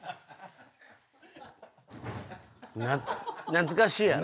懐かしいやろ？